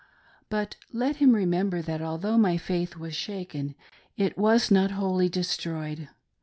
But let him remember that, although my faith was shaken, it was not wholly destroyed.